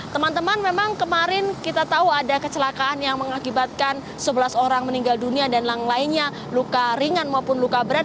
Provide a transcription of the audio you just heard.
teman teman memang kemarin kita tahu ada kecelakaan yang mengakibatkan sebelas orang meninggal dunia dan yang lainnya luka ringan maupun luka berat